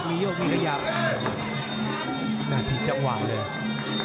มียกมียกมียกมียก